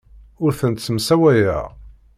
Ur tent-ssemsawayeɣ.